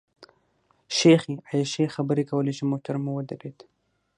شیخې عایشې خبرې کولې چې موټر مو ودرېد.